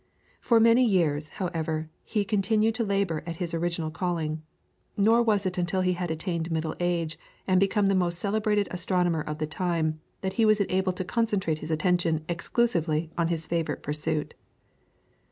For many years, however, he continued to labour at his original calling, nor was it until he had attained middle age and become the most celebrated astronomer of the time, that he was enabled to concentrate his attention exclusively on his favourite pursuit.